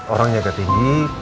orangnya ke tinggi